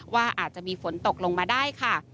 ว่าอาจจะมีฝนตกลงมาได้ค่ะ